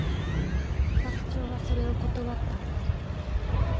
学長はそれを断った。